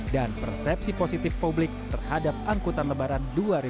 dan persepsi positif publik terhadap angkutan lebaran dua ribu dua puluh tiga